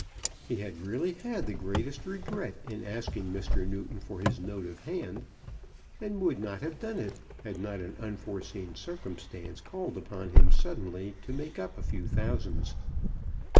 He had really had the greatest regret in asking Mr. Newton for his note of hand, and would not have done it, had not an unforeseen circumstance called upon him suddenly to make up a few thousands.